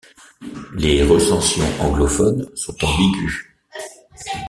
Les recensions anglophones sont ambigues.